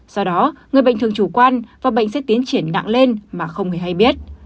do đó người bệnh thường chủ quan và bệnh sẽ tiến triển nặng lên mà không hề hay biết